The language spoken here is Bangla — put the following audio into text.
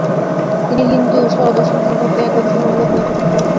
তিনি হিন্দু ষড়দর্শন সম্পর্কে এক গবেষণামূলক গ্রন্থ রচনা করেন।